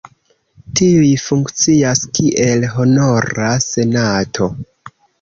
Tiuj funkcias kiel honora senato.